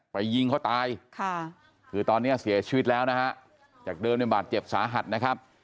ยิงเขาตายค่ะคือตอนนี้เสียชีวิตแล้วนะฮะจากเดิมในบาดเจ็บสาหัสนะครับ